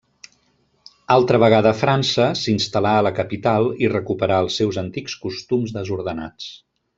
Altra vegada a França, s'instal·là a la capital i recuperà els seus antics costums desordenats.